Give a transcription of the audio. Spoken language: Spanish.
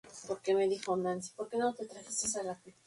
Su paso por esta prestigiosa publicación ha dejado notables recuerdos.